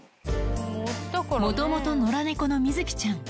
もともと野良猫のみづきちゃん。